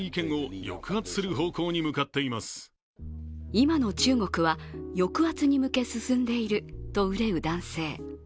今の中国は、抑圧に向け、進んでいると憂う男性。